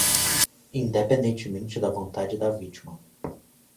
independentemente da vontade da vítima